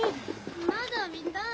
まだ見たい！